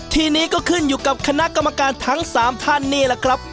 ทีนี้ก็ขึ้นอยู่กับคณะกรรมการทั้ง๓ท่านนี่แหละครับ